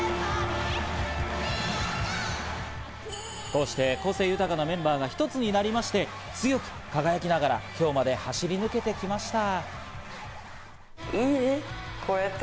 こうして個性豊かなメンバーが一つになりまして、強く輝きながら今日まで走り抜けてきました。